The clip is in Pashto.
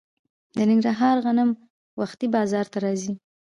د ننګرهار غنم وختي بازار ته راځي.